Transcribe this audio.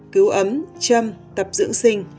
cứu ấm châm tập dưỡng sinh